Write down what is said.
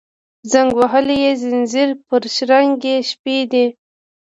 زنګ وهلي یې ځینځیر پر شرنګ یې شپې دي